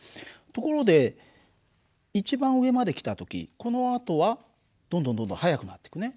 ところで一番上まで来た時このあとはどんどんどんどん速くなっていくね。